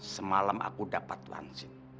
semalam aku dapat wangsin